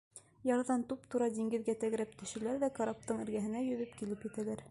Ярҙан туп-тура диңгеҙгә тәгәрәп төшәләр ҙә караптың эргәһенә йөҙөп килеп етәләр.